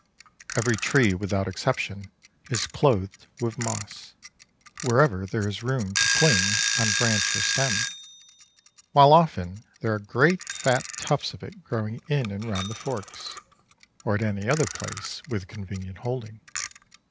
Every tree, without exception, is clothed with moss, wherever there is room to cling on branch or stem, while often there are great fat tufts of it growing in and round the forks, or at any other place with convenient holding.